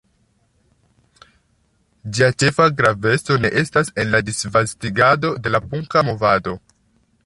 Ĝia ĉefa graveco ne estas en la disvastigado de la punka movado.